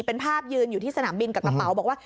เป็นภาพยืนอยู่ที่สนามบินกับกระเป๋าบอกว่า